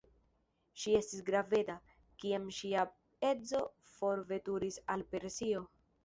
Ŝi estis graveda, kiam ŝia edzo forveturis al Persio.